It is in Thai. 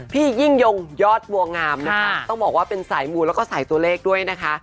พี่ยิ่งยงยอดบัวงามนะคะต้องบอกว่าเป็นสายมูลแล้วก็สายตัวเลขด้วยนะคะ